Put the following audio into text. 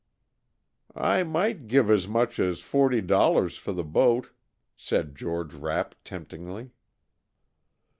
"I might give as much as forty dollars for the boat," said George Rapp temptingly.